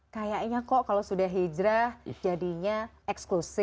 kayaknya kok kalau sudah hijrah jadinya eksklusif